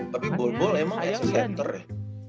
tapi ball ball emang kayak center ya